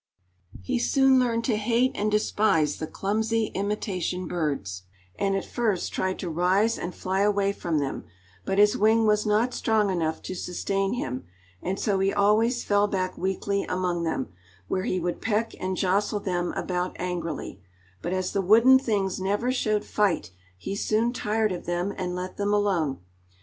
He soon learned to hate and despise the clumsy, imitation birds, and at first tried to rise and fly away from them, but his wing was not strong enough to sustain him, and so he always fell back weakly among them, where he would peck and jostle them about angrily; but as the wooden things never showed fight he soon tired of them and let them alone.